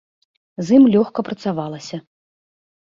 З ім лёгка працавалася.